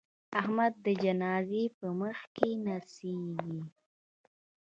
احمد د جنازې په مخ کې نڅېږي.